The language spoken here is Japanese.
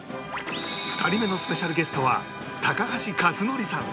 ２人目のスペシャルゲストは高橋克典さん